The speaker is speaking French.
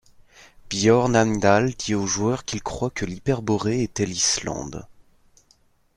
Bjorn Heimdall dit au joueur qu'il croit que l'Hyperborée était l'Islande.